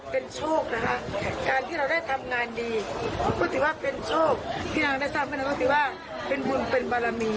พี่นางได้สร้างเป็นความที่ว่าเป็นบุญเป็นบารมี